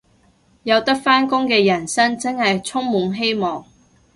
有得返工嘅人生真係充滿希望